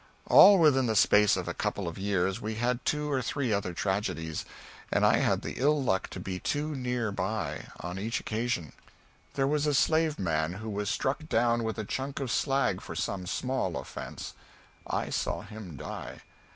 All within the space of a couple of years we had two or three other tragedies, and I had the ill luck to be too near by on each occasion. There was the slave man who was struck down with a chunk of slag for some small offence; I saw him die.